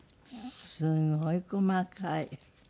すごい細かい。